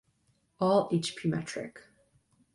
All hp metric.